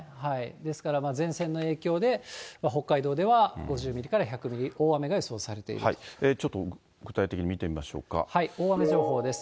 ですから、前線の影響で、北海道では５０ミリから１００ミリ、大ちょっと、具体的に見てみま大雨情報です。